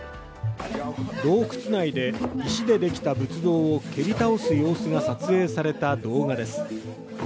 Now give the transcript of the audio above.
洞窟内で石でできた仏像を蹴り倒す様子が撮影された動画です。